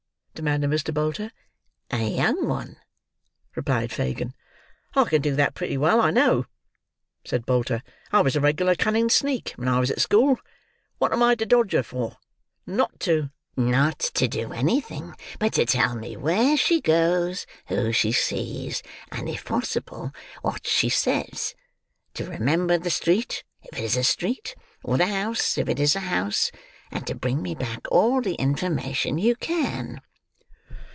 demanded Mr. Bolter. "A young one," replied Fagin. "I can do that pretty well, I know," said Bolter. "I was a regular cunning sneak when I was at school. What am I to dodge her for? Not to—" "Not to do anything, but to tell me where she goes, who she sees, and, if possible, what she says; to remember the street, if it is a street, or the house, if it is a house; and to bring me back all the information you can."